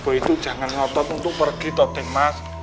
gua itu jangan ngotot untuk pergi den mas